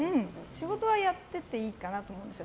仕事はやってていいかなと思います。